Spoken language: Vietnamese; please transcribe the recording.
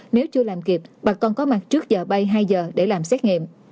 nếu chưa làm kịp bà con có mặt trước giờ bay hai giờ để làm xét nghiệm